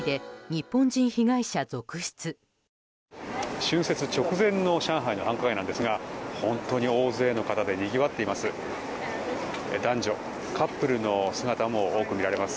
春節直前の上海の街なんですが本当に大勢の方でにぎわっています。